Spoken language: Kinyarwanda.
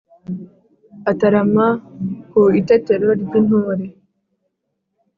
Atarama ku Itetero ry'intore